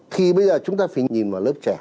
thì bây giờ chúng ta phải nhìn vào lớp trẻ